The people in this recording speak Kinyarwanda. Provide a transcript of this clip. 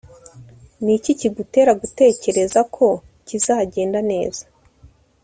niki kigutera gutekereza ko kizagenda neza